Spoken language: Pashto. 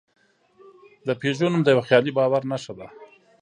د پيژو نوم د یوه خیالي باور نښه ده.